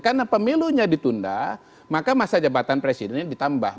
karena pemilunya ditunda maka masa jabatan presidennya ditambah